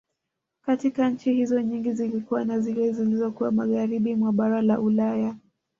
Kati ya nchi hizo nyingi zilikuwa ni zile zizokuwa Magharibi mwa bara la Ulaya